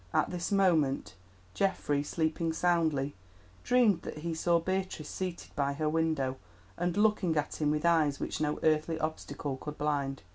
At this moment Geoffrey, sleeping soundly, dreamed that he saw Beatrice seated by her window and looking at him with eyes which no earthly obstacle could blind.